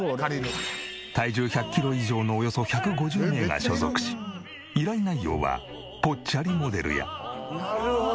体重１００キロ以上のおよそ１５０名が所属し依頼内容はぽっちゃりモデルや。